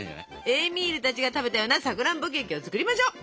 エーミールたちが食べたようなさくらんぼケーキを作りましょう。